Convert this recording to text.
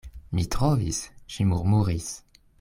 Mi trovis, ŝi murmuris.